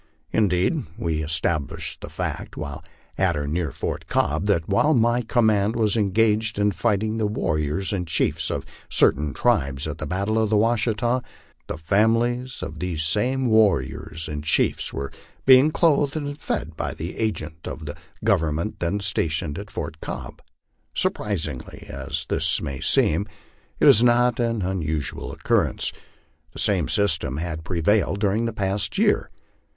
Indeed, we established the fact, while at or near Fort Cobb, that while my command was engaged in fighting the warriors and chiefs of certain tribes at the battle of the Washita, the families of these same warriors and chiefs were being clothed and fed by the agent of the Government then stationed at Fort Cobb. Surprising as this may seem, it is not an unusual occurrence. The same system has prevailed during the past year.